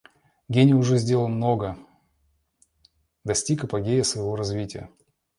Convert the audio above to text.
Гений уже сделал много, достиг апогея своего развития.